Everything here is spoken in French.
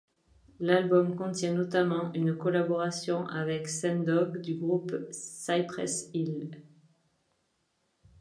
L'album contient notamment une collaboration avec Sen-Dog du groupe Cypress Hill.